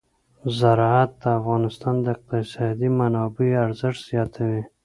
زراعت د افغانستان د اقتصادي منابعو ارزښت زیاتوي.